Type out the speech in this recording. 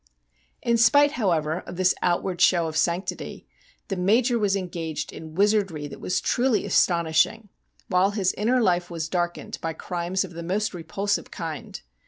' In spite, however, of this outward show of sanctity the Major was engaged in wizardry that was truly astonishing, while his inner life was darkened by crimes of the most repul sive kind.